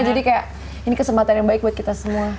jadi kayak ini kesempatan yang baik buat kita semua